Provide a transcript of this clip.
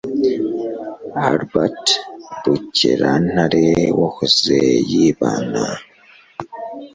Albert Rukerantare wahoze yibana